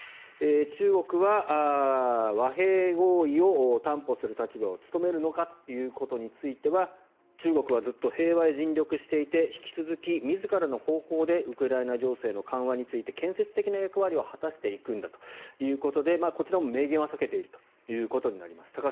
中国は和平合意を担保する立場を務めるのかということに関しては中国はずっと平和に尽力していて引き続き自らの方法でウクライナ情勢の緩和について建設的な役割を果たしていくんだということでこちらも明言は避けているということになります。